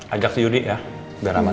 ajak sih yudi ya biar aman